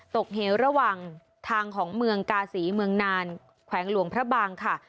เหวระหว่างทางของเมืองกาศีเมืองนานแขวงหลวงพระบางค่ะ